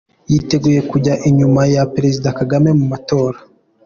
Yiteguye kujya inyuma ya Perezida Kagame mu matora.